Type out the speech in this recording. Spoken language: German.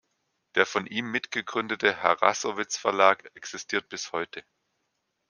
Der von ihm mitgegründete Harrassowitz Verlag existiert bis heute.